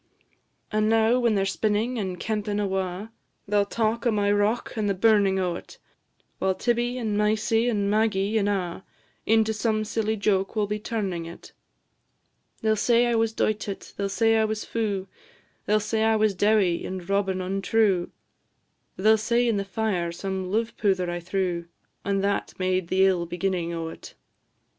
"And now, when they 're spinnin' and kempin' awa', They 'll talk o' my rock and the burnin' o't, While Tibbie, and Mysie, and Maggie, and a', Into some silly joke will be turnin' it: They 'll say I was doited, they 'll say I was fu'; They 'll say I was dowie, and Robin untrue; They 'll say in the fire some luve powther I threw, And that made the ill beginning o't.